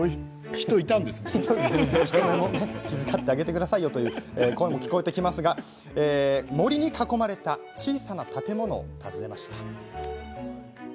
人目も気遣ってあげてくださいよという声も聞こえてきますが森に囲まれた小さな建物を訪ねました。